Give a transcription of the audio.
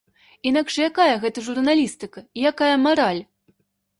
Інакш якая гэта журналістыка і якая мараль?!